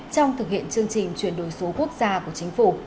trong thực hiện chương trình chuyển đổi số quốc gia của chính phủ